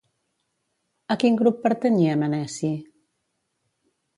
A quin grup pertanyia Meneci?